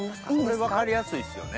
これ分かりやすいっすよね。